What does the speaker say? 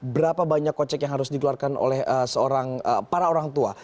berapa banyak kocek yang harus dikeluarkan oleh para orang tua